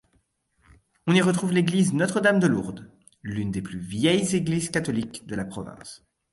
On y retrouve l'église Notre-Dame-de-Lourdes, L'une des plus vielles églises catholiques de la province.